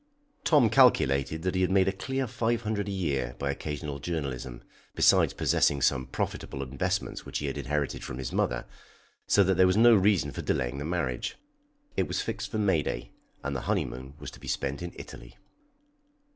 "] Tom calculated that he made a clear five hundred a year by occasional journalism, besides possessing some profitable investments which he had inherited from his mother, so that there was no reason for delaying the marriage. It was fixed for May day, and the honeymoon was to be spent in Italy.